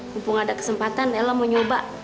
mumpung ada kesempatan ella mau nyoba